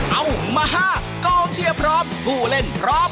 เอามา๕กองเชียร์พร้อมผู้เล่นพร้อม